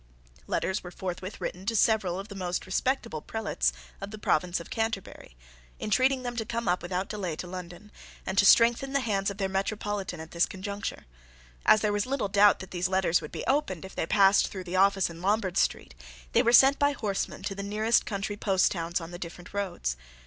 Letters were forthwith written to several of the most respectable prelates of the province of Canterbury, entreating them to come up without delay to London, and to strengthen the hands of their metropolitan at this conjuncture. As there was little doubt that these letters would be opened if they passed through the office in Lombard Street, they were sent by horsemen to the nearest country post towns on the different roads.